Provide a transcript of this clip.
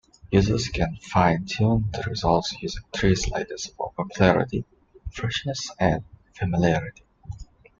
Users can fine tune the results using three sliders for "popularity", "freshness" and "familiarity".